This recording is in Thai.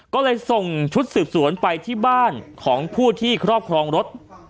ก็เลยส่งชุดสืบสวนไปที่บ้านของผู้ที่ครอบครองรถ